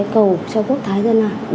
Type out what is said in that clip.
cầu cho quốc thái dân